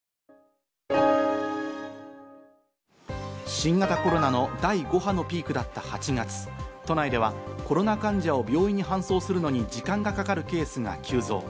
新型コロナの第５波のピークだった８月、都内ではコロナ患者を病院に搬送するのに時間がかかるケースが急増。